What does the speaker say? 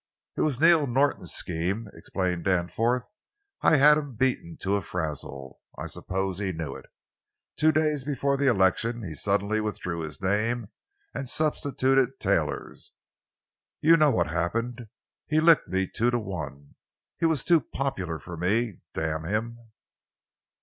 "It was Neil Norton's scheme," explained Danforth. "I had him beaten to a frazzle. I suppose he knew it. Two days before election he suddenly withdrew his name and substituted Taylor's. You know what happened. He licked me two to one. He was too popular for me—damn him!